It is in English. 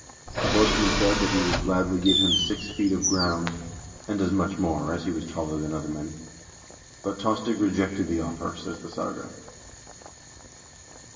The horseman said that he would gladly give him six feet of ground, and as much more as he was taller than other men ;! but Tostig rejected the offer, says the saga.